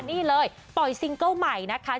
นี่เลยปล่อยซิงเกิ้ลใหม่นะคะ